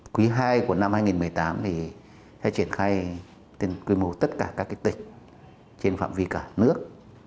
quý ii của năm hai nghìn một mươi tám thì sẽ triển khai tên quy mô tất cả các cái tịch trên phạm vi cả nước